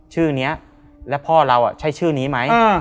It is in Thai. ชื่อนี้แล้วพ่อเราใช่ชื่อนี้ไหม